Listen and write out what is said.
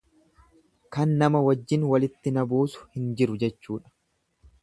Kan nama wajjin walitti na buusu hin jiru jechuudha.